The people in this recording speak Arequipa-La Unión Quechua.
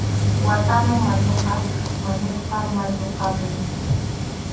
Watanáy mayuqa wañusqa mayu kapun.